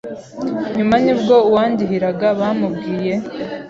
nyuma nibwo uwandihiraga bamubwiye